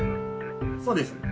そうです。